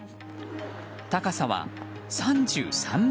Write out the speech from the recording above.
高さは３３ｍ。